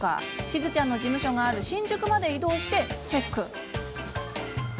しずちゃんの事務所がある新宿まで移動してチェック。